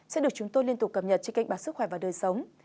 sẽ được chúng tôi liên tục cập nhật trên kênh báo sức khỏe và đời sống